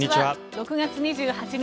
６月２８日